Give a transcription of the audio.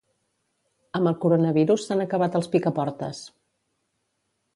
Amb el coronavirus s'han acabat els picaportes